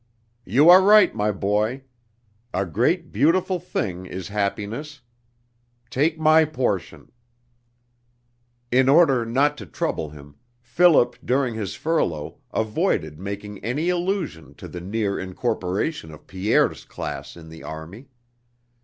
"You are right, my boy. A great, beautiful thing is happiness. Take my portion...." In order not to trouble him, Philip during his furlough avoided making any allusion to the near incorporation of Pierre's class in the army.